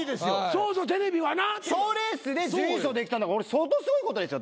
そうそうテレビはな。賞レースで準優勝できたんだから相当すごいことですよ。